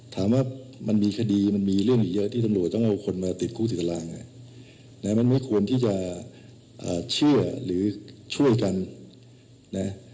ถามว่ามันมีคดีมันมีเรื่องอีกเยอะที่ตำรวจต้องเอาคนมาติดคู่ติดตารางมันไม่ควรที่จะเชื่อหรือช่วยกันนะ